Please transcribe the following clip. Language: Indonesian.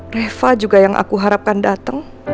reva juga yang aku harapkan datang